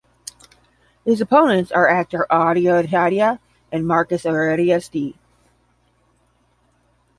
His opponents are actor Arjo Atayde and Marcus Aurelius Dee.